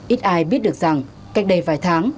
ít ai biết được rằng cách đây vài tháng